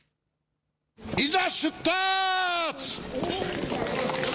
いざ出発。